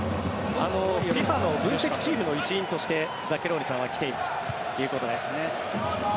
ＦＩＦＡの分析チームの一員としてザッケローニさんは来ているということです。